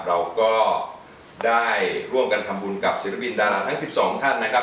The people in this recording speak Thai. เราก็ได้ร่วมกันทำบุญกับศิลปินดาราทั้ง๑๒ท่านนะครับ